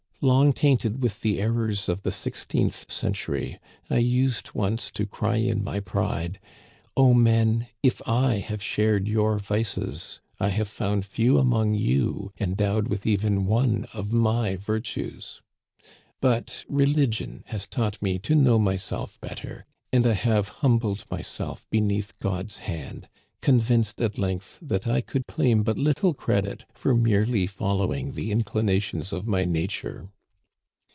Long tainted with the errors of the sixteenth century, I used once to cry in my pride, * O men, if I have shared your vices, I have found few among you endowed with even one of my virtues.' But religion has taught me to know myself better, and I have humbled myself beneath God's hand, convinced at length that I could claim but little credit for merely following the inclinations of my nature.